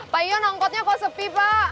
pak ion angkotnya kok sepi pak